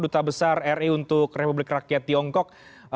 duta besar ri untuk republik rakyat tiongkok